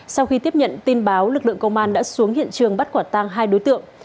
sau khi tiếp nhận tin báo lực lượng công an đã xuống hiện trường bắt quả tang hai đối tượng